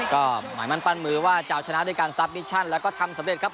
ก็หมายมั่นปั้นมือว่าจะเอาชนะด้วยการซับมิชชั่นแล้วก็ทำสำเร็จครับ